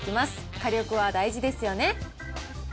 火力は大事ですよね。